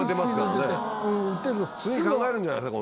次考えるんじゃないですか？